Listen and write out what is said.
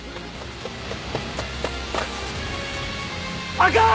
あかん！